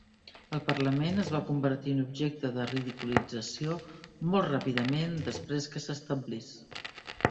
El Parlament es va convertir en objecte de ridiculització molt ràpidament després que s'establís.